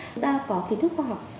chúng ta có kỹ thuật khoa học